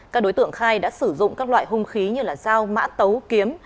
các đối tượng khai đã sử dụng các loại hung khí như dao mã tấu kiếm